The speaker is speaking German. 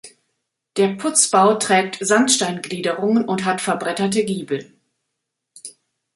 Der Putzbau trägt Sandsteingliederungen und hat verbretterte Giebel.